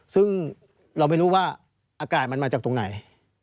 ซึ่งเราไม่รู้ว่าอากาศมันมาจากตรงไหน